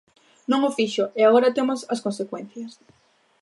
Non o fixo e agora temos as consecuencias.